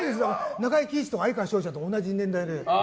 中井貴一と哀川翔ちゃんと同じ年代で。